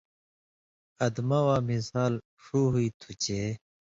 ادمہۡ واں مِثال ݜُو ہو تُھو چے